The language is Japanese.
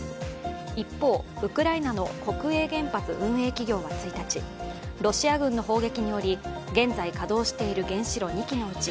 一方、ウクライナの国営原発運営企業は１日、ロシア軍の砲撃により現在、稼働している原子炉２基のうち